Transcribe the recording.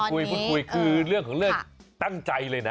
คุยพูดคุยคือเรื่องของเรื่องตั้งใจเลยนะ